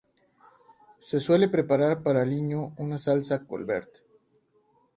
Se suele preparar para aliño una salsa Colbert.